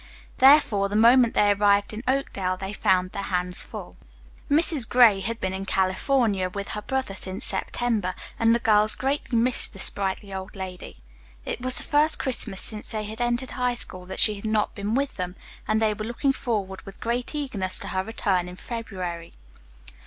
Therefore, the moment they arrived in Oakdale they found their hands full. Mrs. Gray had been in California with her brother since September, and the girls greatly missed the sprightly old lady. It was the first Christmas since they had entered High School that she had not been with them, and they were looking forward with great eagerness to her return in February.